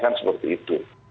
kan seperti itu